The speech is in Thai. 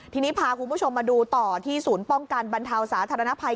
ทีนี้พาคุณผู้ชมมาดูต่อที่ศูนย์ป้องกันบรรเทาสาธารณภัย